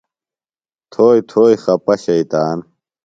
تھوئی تھوئی خپہ شیطان